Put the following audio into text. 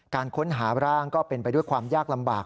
การค้นหาร่างก็เป็นไปด้วยความยากลำบาก